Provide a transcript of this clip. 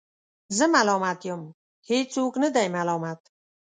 زه ملامت یم ، هیڅوک نه دی ملامت